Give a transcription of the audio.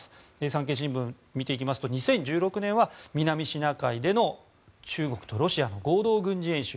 産経新聞を見ていきますと２０１６年は南シナ海での中国とロシアの合同軍事演習。